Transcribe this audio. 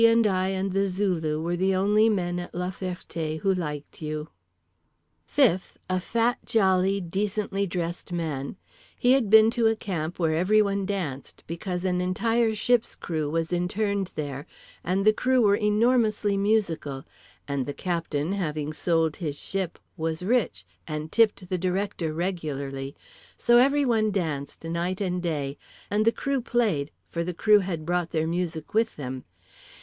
and I and the Zulu were the only men at La Ferté who liked you. Fifth, a fat, jolly, decently dressed man.—He had been to a camp where everyone danced, because an entire ship's crew was interned there, and the crew were enormously musical, and the captain (having sold his ship) was rich and tipped the Director regularly; so everyone danced night and day, and the crew played, for the crew had brought their music with them.